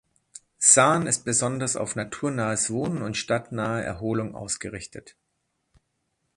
Saarn ist besonders auf naturnahes Wohnen und stadtnahe Erholung ausgerichtet.